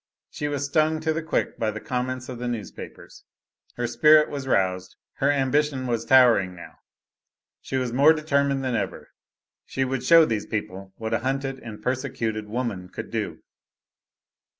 She was stung to the quick by the comments of the newspapers; her spirit was roused, her ambition was towering, now. She was more determined than ever. She would show these people what a hunted and persecuted woman could do.